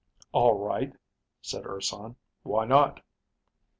"All right," said Urson, "why not?"